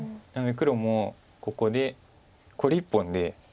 なので黒もここでこれ１本で。